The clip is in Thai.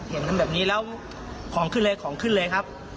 เห็นแบบนี้แล้วของขึ้นเลยของขึ้นเลยครับ